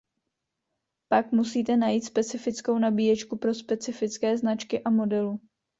Pak musíte najít specifickou nabíječku pro specifické značky a modelu.